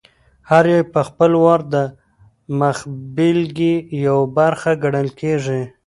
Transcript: هر یو یې په خپل وار د مخبېلګې یوه برخه ګڼل کېږي.